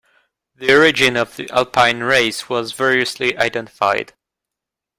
The origin of the Alpine race was variously identified.